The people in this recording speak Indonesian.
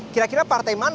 kira kira partai mana